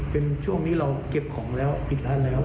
เป็นช่วงนี้เราเก็บของแล้วปิดร้านแล้ว